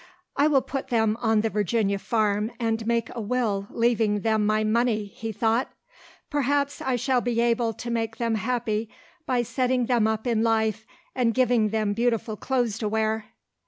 "I will put them on the Virginia farm and make a will leaving them my money," he thought. "Perhaps I shall be able to make them happy by setting them up in life and giving them beautiful clothes to wear."